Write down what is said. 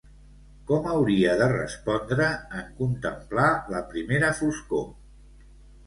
Com hauria de respondre en contemplar la primera foscor?